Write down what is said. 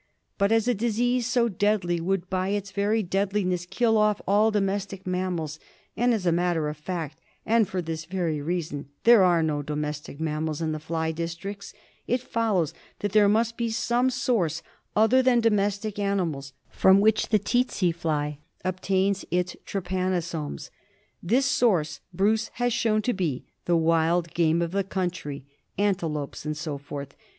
But as a disease so deadly would by its very deadliness kill off" all domestic mammals (and as a matter of fact and for this very reason there are no domestic mammals in the fly districts), it follows that there must be some source, other than domestic animals, from which the tsetse fly obtains its trypanosomes. This source Bruce has shown to be the wild game of the country — antelopes and so forth.